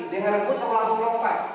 dengan rumput langsung belom lepas